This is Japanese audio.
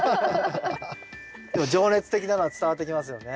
でも情熱的なのは伝わってきますよね。